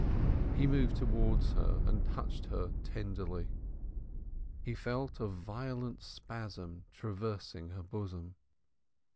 He moved towards her and touched her tenderly. He felt a violent spasm traversing her bosom.